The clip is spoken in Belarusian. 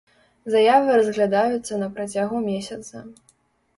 Заявы разглядаюцца на працягу месяца.